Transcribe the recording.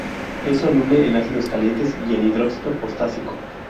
Es soluble en ácidos calientes y en hidróxido potásico.